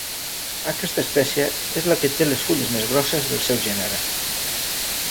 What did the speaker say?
Aquesta espècie és la que té les fulles més grosses del seu gènere.